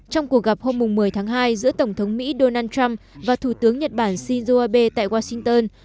trong cuộc gặp hôm một mươi tháng hai giữa tổng thống mỹ donald trump và thủ tướng nhật bản shinzo abe tại washington